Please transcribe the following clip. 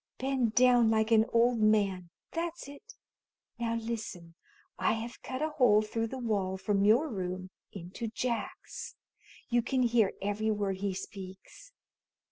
Bend down like an old man. That's it! Now, listen: I have cut a hole through the wall from your room into Jack's. You can hear every word he speaks.